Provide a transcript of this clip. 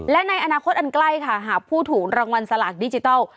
และในอนาคตอันใกล้ค่ะหากผู้ถูกรางวัลสลากดิจิทัล